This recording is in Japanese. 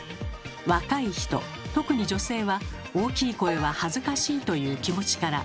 若い人特に女性は大きい声は恥ずかしいという気持ちから。